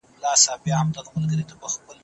ځینې خلک د ډېرې خوشالۍ پر مهال هم ژاړي.